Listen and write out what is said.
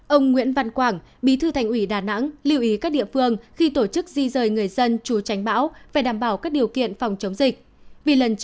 ông nguyễn văn quảng bí thư thành ủy đà nẵng lưu ý các địa phương khi tổ chức di rời người dân chú tránh bão phải đảm bảo các điều kiện phòng chống dịch